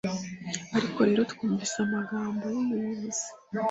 Ariko rero twumvise amagambo yumuyobozi